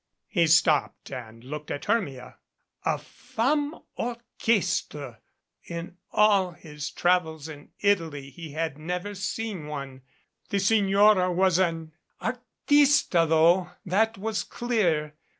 He stopped and looked at Hermia. A Femme Orches tre! In all his travels in Italy he had never seen one The signora was an artista, though. That was clear.